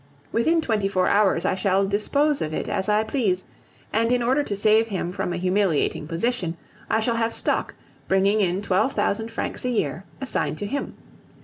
Within twenty four hours I shall dispose of it as I please; and in order to save him from a humiliating position, I shall have stock, bringing in twelve thousand francs a year, assigned to him.